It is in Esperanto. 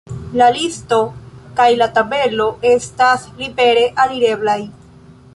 La listo kaj la tabelo estas libere alireblaj.